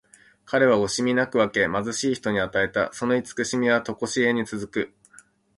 彼は惜しみなく分け、貧しい人に与えた。その慈しみはとこしえに続く。